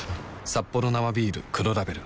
「サッポロ生ビール黒ラベル」